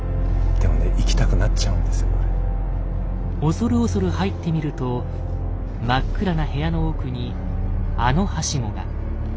恐る恐る入ってみると真っ暗な部屋の奥にあのハシゴが。